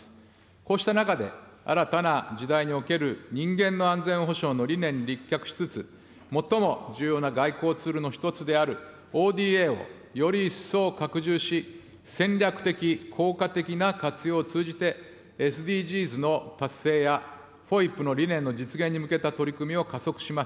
こうした中で、新たな時代における人間の安全保障の理念に立脚しつつ、最も重要な外交ツールの一つであるＯＤＡをより一層拡充し、戦略的・効果的な活用を通じて、ＳＤＧｓの達成やＦＯＩＰの理念の実現に向けた取り組みを加速します。